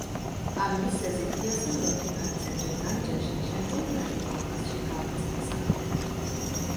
ამ მიზეზით იასონ ლორთქიფანიძემ ჯერ განჯაში, შემდგომ ვლადიკავკაზში გააგრძელა საქმიანობა.